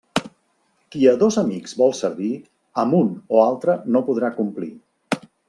Qui a dos amics vol servir, amb un o altre no podrà complir.